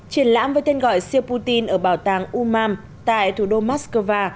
triển lãm với tên gọi siêu putin ở bảo tàng umam tại thủ đô moskova